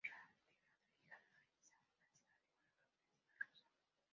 Ra's tiene otra hija, Nyssa, nacida de una campesina rusa.